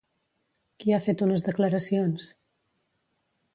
Qui ha fet unes declaracions?